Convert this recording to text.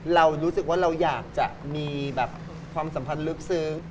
เรารู้สึกว่าเราอยากจะมีแบบความสัมพันธ์ลึกซึ้ง